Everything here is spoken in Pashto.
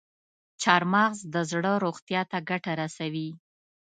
چارمغز د زړه روغتیا ته ګټه رسوي.